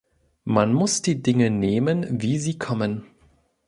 Man muss die Dinge nehmen, wie sie kommen.